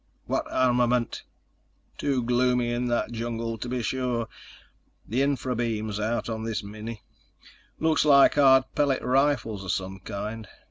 "What armament?" "Too gloomy in that jungle to be sure. The infra beam's out on this mini. Looks like hard pellet rifles of some kind.